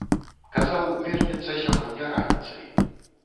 Казаў, вернецца сягоння раніцай.